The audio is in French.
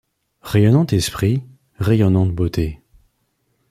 rayonnant esprit ! rayonnante beauté !